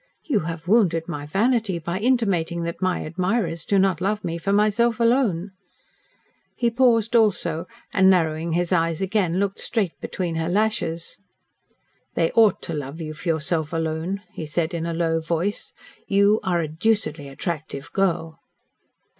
"You have wounded my vanity by intimating that my admirers do not love me for myself alone." He paused, also, and, narrowing his eyes again, looked straight between her lashes. "They ought to love you for yourself alone," he said, in a low voice. "You are a deucedly attractive girl."